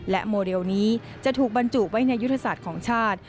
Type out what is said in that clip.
โมเดลนี้จะถูกบรรจุไว้ในยุทธศาสตร์ของชาติ